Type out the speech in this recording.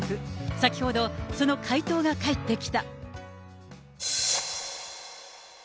先ほど、その回答が返ってきた。